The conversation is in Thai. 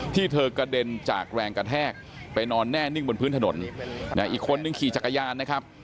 ที่เธอกระเด็นจากแรงกระแทกไปนอนแน่นิ่งบนพื้นถนนอีกคนนึงขี่จักรยานนะครับ